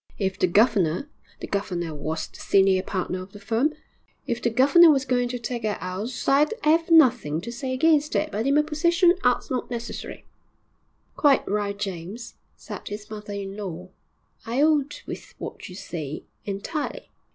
If the governor' the governor was the senior partner of the firm 'if the governor was going to take a 'ouse I'd 'ave nothing to say against it, but in my position art's not necessary.' 'Quite right, James,' said his mother in law; 'I 'old with what you say entirely.'